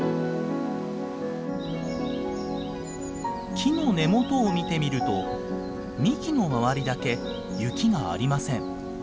木の根元を見てみると幹の周りだけ雪がありません。